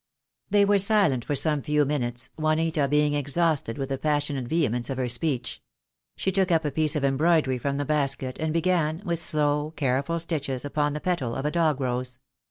They were silent for some few minutes, Juanita being exhausted with the passionate vehemence of her speech. She took up a piece of embroidery from the basket, and began, with slow, careful stitches, upon the petal of a dog rose.